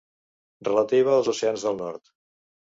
Relativa als oceans del nord.